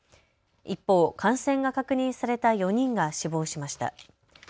一方、感染が確認された４人が死亡しました。